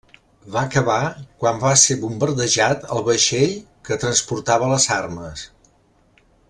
Va acabar quan va ser bombardejat el vaixell que transportava les armes.